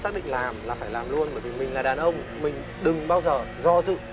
xác định làm là phải làm luôn bởi vì mình là đàn ông mình đừng bao giờ do dự